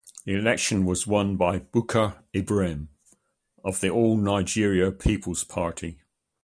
The election was won by Bukar Ibrahim of the All Nigeria Peoples Party.